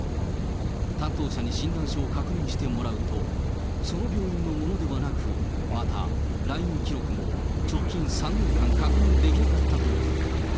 担当者に診断書を確認してもらうと、その病院のものではなく、また、来院記録も直近３年間確認できなかったという。